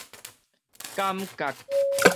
感覺